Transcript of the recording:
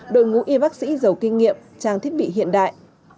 đội ngũ y bác sĩ giàu kinh nghiệm trang thiết bị hiện đại